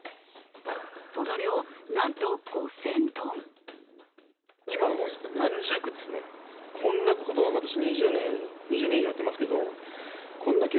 その量、なんと５０００トン。